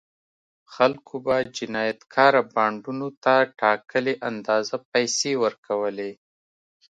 خلکو به جنایتکاره بانډونو ته ټاکلې اندازه پیسې ورکولې.